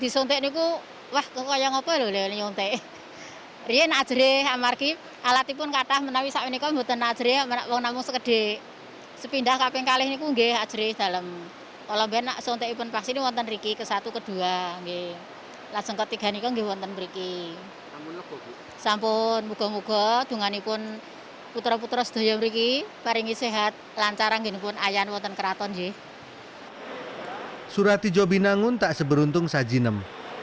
suratijo binangun tak seberuntung sajinem